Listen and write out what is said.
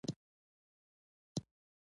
پسه د افغانانو د ژوند طرز ډېر اغېزمنوي.